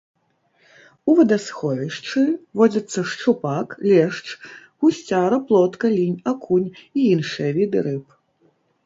У вадасховішчы водзяцца шчупак, лешч, гусцяра, плотка, лінь, акунь і іншыя віды рыб.